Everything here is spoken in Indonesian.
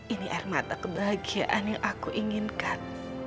ini air mata kebahagiaan yang aku inginkan